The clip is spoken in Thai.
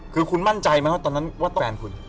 คือคุณมั่นใจไหมว่าตอนนั้นว่าแฟนคุณ